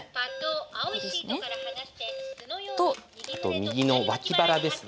右のわき腹ですね。